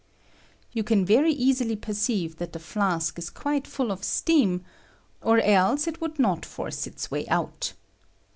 You can very easily perceive that the flask is quite full of steam, or else it would not force its way out.